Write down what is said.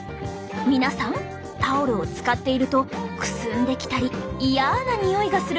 皆さんタオルを使っているとくすんできたりイヤなにおいがすることってありますよね。